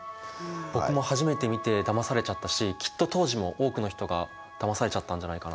僕も初めて見てだまされちゃったしきっと当時も多くの人がだまされちゃったんじゃないかなって。